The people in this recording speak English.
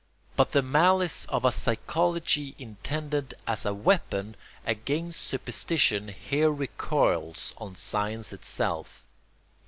But the malice of a psychology intended as a weapon against superstition here recoils on science itself.